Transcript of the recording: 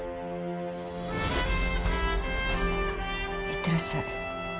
いってらっしゃい。